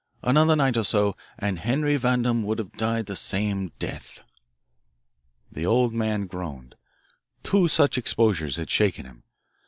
Another night or so, and Henry Vandam would have died the same death." The old man groaned. Two such exposures had shaken him.